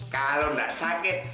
kalau enggak sakit